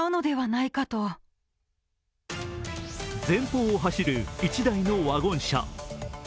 前方を走る１台のワゴン車。